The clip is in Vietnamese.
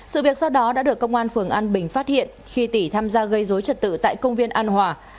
sự việc sau đó đã được công an phường an bình phát hiện khi tỷ tham gia gây dối trật tự tại công viên an hòa